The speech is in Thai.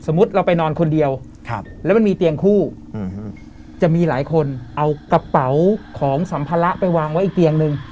เราไปนอนคนเดียวแล้วมันมีเตียงคู่จะมีหลายคนเอากระเป๋าของสัมภาระไปวางไว้อีกเตียงนึง